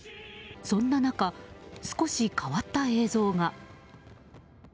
そんな中、少し変わった映像が。